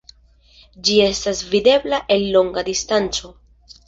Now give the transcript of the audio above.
Ĝi estas videbla el longa distanco.